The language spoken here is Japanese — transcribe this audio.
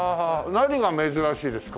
何が珍しいですか？